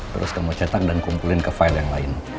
terus kamu cetak dan kumpulin ke file yang lain